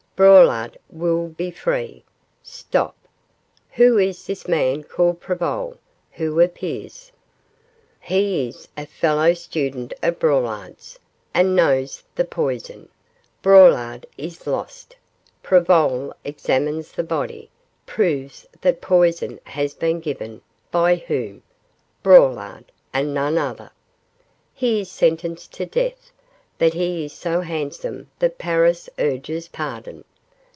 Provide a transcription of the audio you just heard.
Braulard will be free. Stop! who is this man called Prevol, who appears? He is a fellow student of Braulard's, and knows the poison. Braulard is lost! Prevol examines the body, proves that poison has been given by whom? Braulard, and none other. He is sentenced to death; but he is so handsome that Paris urges pardon.